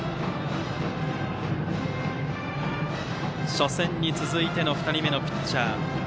初戦に続いての２人目のピッチャー。